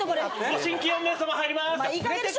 ご新規４名さま入ります。